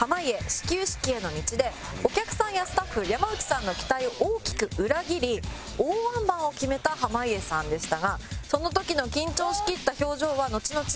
始球式への道でお客さんやスタッフ山内さんの期待を大きく裏切り大ワンバンを決めた濱家さんでしたがその時の緊張しきった表情はのちのち